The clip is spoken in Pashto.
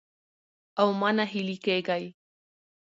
او مه ناهيلي کېږئ